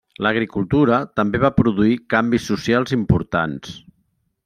L'agricultura també va produir canvis socials importants.